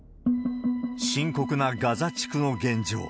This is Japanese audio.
深刻なガザ地区の現状。